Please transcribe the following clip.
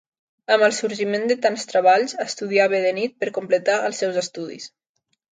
Amb el sorgiment de tants treballs, estudiava de nit per completar els seus estudis.